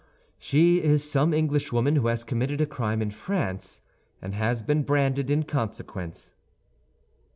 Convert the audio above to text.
"She is some Englishwoman who has committed a crime in France, and has been branded in consequence."